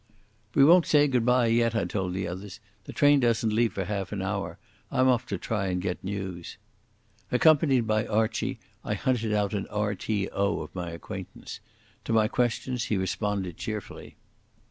"We won't say goodbye yet," I told the others. "The train doesn't leave for half an hour. I'm off to try and get news." Accompanied by Archie, I hunted out an R.T.O. of my acquaintance. To my questions he responded cheerfully.